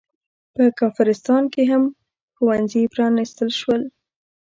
په کافرستان کې هم ښوونځي پرانستل شول.